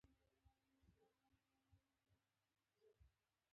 ترور، غلا او قبضه د فساد په لمن کې چاغېږي.